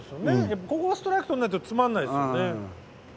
ここをストライクとんないとつまんないですよね。